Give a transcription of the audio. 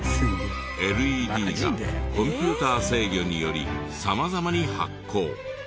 ＬＥＤがコンピューター制御により様々に発光。